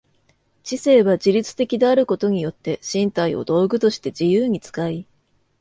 知性は自律的であることによって身体を道具として自由に使い、